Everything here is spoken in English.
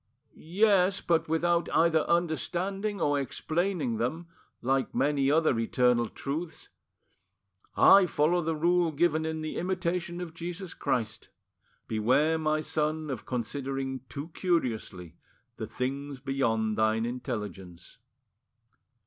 "Yes, but without either understanding or explaining them, like many other eternal truths. I follow the rule given in the Imitation o f Jesus Christ: 'Beware, my son, of considering too curiously the things beyond thine intelligence.